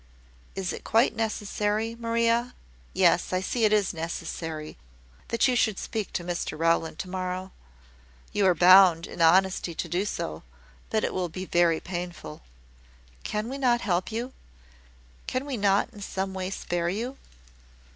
"Is it quite necessary, Maria yes, I see it is necessary that you should speak to Mr Rowland to morrow? You are bound in honesty to do so; but it will be very painful. Can we not help you? Can we not in some way spare you?"